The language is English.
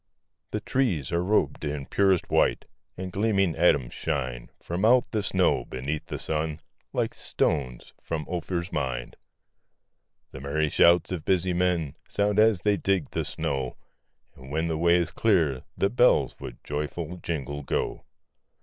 The trees are rob'd in purest white, And gleaming atoms shine From out the snow, beneath the sun, Like stones from Ophir's mine. The merry shouts of busy men Sound, as they dig the snow; And, when the way is clear, the bells With joyful jingle, go.